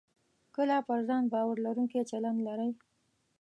کله پر ځان باور لرونکی چلند لرئ